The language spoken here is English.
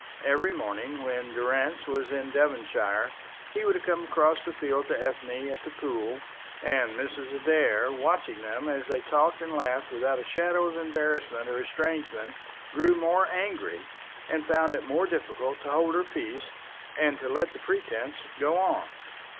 Every morning when Durrance was in Devonshire he would come across the fields to Ethne at The Pool, and Mrs. Adair, watching them as they talked and laughed without a shadow of embarrassment or estrangement, grew more angry, and found it more difficult to hold her peace and let the pretence go on.